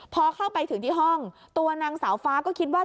พอเข้าไปถึงที่ห้องตัวนางสาวฟ้าก็คิดว่า